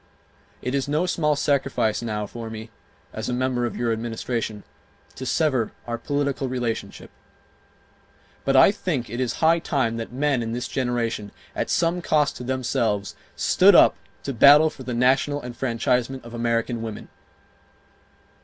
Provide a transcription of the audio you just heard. It is no small sacrifice now for me, as a member of your Administration, to sever our political relationship. But I think it is high time that men in this generation, at some cost to themselves, stood up to battle for the national enfranchisement of American women.